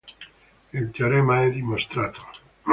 Il teorema è dimostrato.